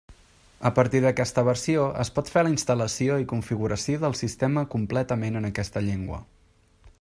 A partir d'aquesta versió es pot fer la instal·lació i configuració del sistema completament en aquesta llengua.